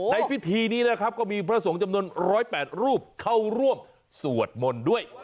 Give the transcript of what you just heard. ในพิธีนี้นะครับก็มีพระสงฆ์จำนวน๑๐๘รูปเข้าร่วมสวดมนต์ด้วย